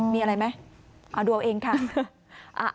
อ๋อมีอะไรไหมดูเอาเองค่ะ